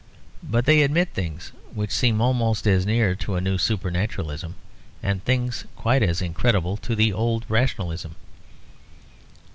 But they admit things which seem almost as near to a new supernaturalism, and things quite as incredible to the old rationalism.